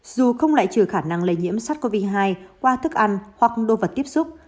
dù không lại trừ khả năng lây nhiễm sars cov hai qua thức ăn hoặc đồ vật tiếp xúc